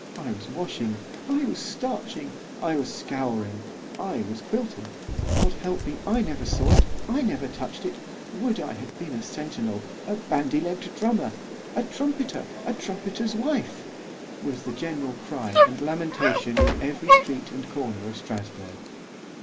—I was washing, I was starching, I was scouring, I was quilting——God help me! I never saw it——I never touch'd it!——would I had been a centinel, a bandy legg'd drummer, a trumpeter, a trumpeter's wife, was the general cry and lamentation in every street and corner of _Strasburg.